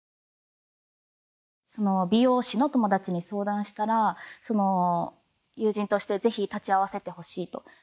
美容師の友達に相談したら友人としてぜひ立ち会わせてほしいと。